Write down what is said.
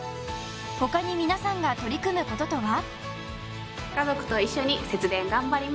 他に皆さんが取り組むこととは？